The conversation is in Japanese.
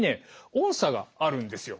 音叉があるんですよ。